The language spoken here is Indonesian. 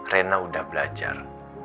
rena udah belajar